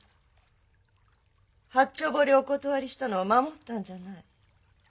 八丁堀をお断りしたのは守ったんじゃない。